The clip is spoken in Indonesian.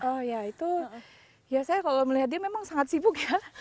oh ya itu ya saya kalau melihat dia memang sangat sibuk ya